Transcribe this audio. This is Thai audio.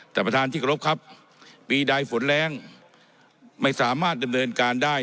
สัตว์ประทานที่กรบครับปีใดฝนแรงไม่สามารถเงินเงินการได้